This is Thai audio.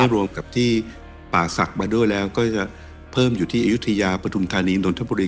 รวมกับที่ป่าศักดิ์มาด้วยแล้วก็จะเพิ่มอยู่ที่อายุทยาปฐุมธานีนนทบุรี